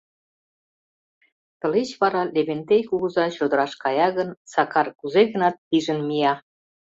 Тылеч вара Левентей кугыза чодыраш кая гын, Сакар кузе-гынат пижын мия.